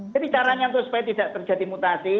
jadi caranya untuk supaya tidak terjadi mutasi